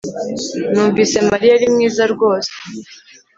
Numvise Mariya ari mwiza rwose